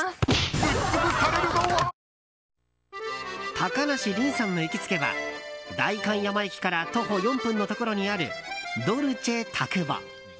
高梨臨さんの行きつけは代官山駅から徒歩４分のところにあるＤＯＬＣＥＴＡＣＵＢＯ。